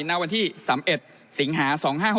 ณวันที่๓๑สิงหา๒๕๖๖